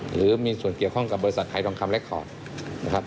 หรือมีส่วนเกี่ยวข้องกับบริษัทหายทองคำเล็กคอร์ดนะครับ